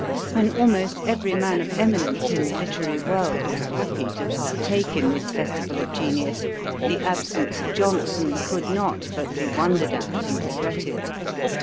When almost every man of eminence in the literary world was happy to partake in this festival of genius, the absence of Johnson could not but be wondered at and regretted.